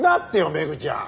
メグちゃん。